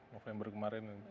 maaf yang baru kemarin